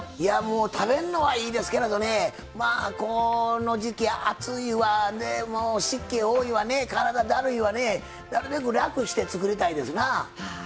食べるのはいいですけどこの時季、暑いわ湿気多いわ、体だるいわなるべく楽して作りたいですな。